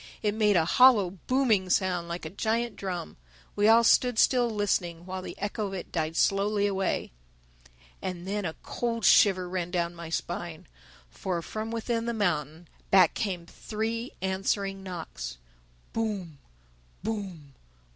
It made a hollow booming sound, like a giant drum. We all stood still listening while the echo of it died slowly away. And then a cold shiver ran down my spine. For, from within the mountain, back came three answering knocks: _Boom!... Boom!...